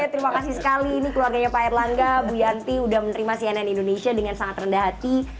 terima kasih sekali ini keluarganya pak erlangga bu yanti udah menerima cnn indonesia dengan sangat rendah hati